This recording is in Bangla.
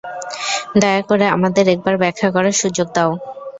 দয়া করে, আমাদের একবার ব্যাখ্যা করার সুযোগ দাও।